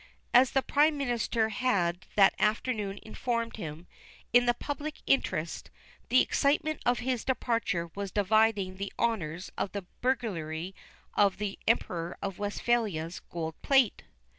As the Prime Minister had that afternoon informed him, in the public interest, the excitement of his departure was dividing the honors of the burglary of the Emperor of Westphalia's gold plate.